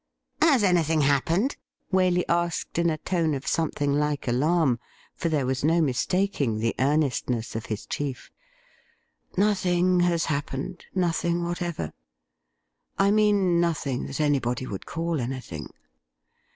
' Has anything happened ? Waley asked in a tone of something like alarm ; for there was no mistaking the earnestness of his chief. 'Nothing has happened, nothing whatever. I mean, nothing that anybody would call anything.